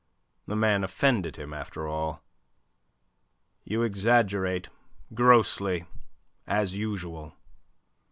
The man offended him, after all. "You exaggerate grossly as usual."